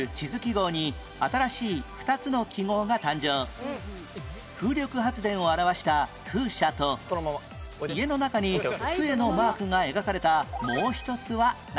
１７年前風力発電を表した風車と家の中に杖のマークが描かれたもう一つは何？